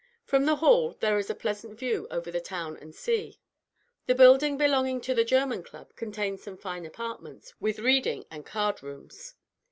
From the hall there is a pleasant view over the town and sea. The building belonging to the "German Club" contains some fine apartments, with reading and card rooms.